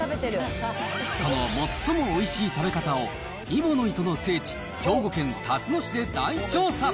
その最もおいしい食べ方を、揖保乃糸の聖地、兵庫県たつの市で大調査。